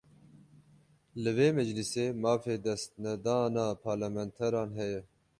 Li vê meclîsê, mafê destnedana parlementeran heye